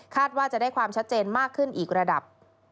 ว่าจะได้ความชัดเจนมากขึ้นอีกระดับ